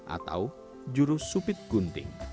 atau jurus supit gunting